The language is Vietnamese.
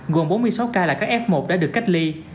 gồm bốn mươi sáu ca là các f một đã được cách ly